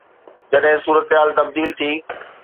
جڏهن صورتحال تبديل ٿي.